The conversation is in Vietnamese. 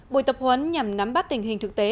buổi tập huấn nhằm nắm bắt tình hình thực tế